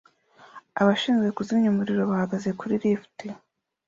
Abashinzwe kuzimya umuriro bahagaze kuri lift